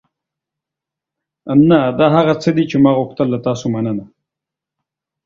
نه، دا هغه څه دي چې ما غوښتل. له تاسو مننه.